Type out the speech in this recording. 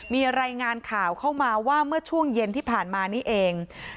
มีรายงานข่าวเข้ามาว่าเมื่อช่วงเย็นที่ผ่านมานี่เอง